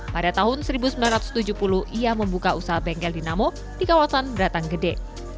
pada tahun seribu sembilan ratus tujuh puluh ia membuka usaha bengkel dinamo di kawasan beratang gede